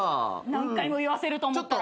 何回も言わせると思ったら。